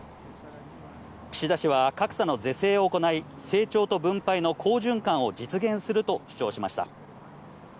岸田氏は格差の是正を行い、成長と分配の好循環を実現すると主張しました。